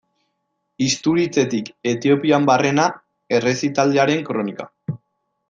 Isturitzetik Etiopian barrena errezitaldiaren kronika.